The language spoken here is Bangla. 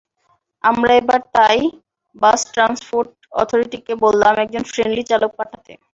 আমরা এবার তাই বাস ট্রান্সপোর্ট অথোরিটিকে বললাম একজন ফ্রেন্ডলি চালক পাঠাতে।